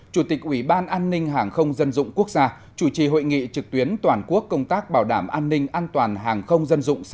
chủ tịch ủy ban an ninh hàng không dân dụng quốc gia chủ trì hội nghị trực tuyến toàn quốc công tác bảo đảm an ninh an toàn hàng không dân dụng